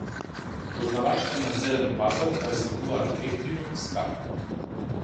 Познавачите на зелен пазар разликуваат евтино и скапо.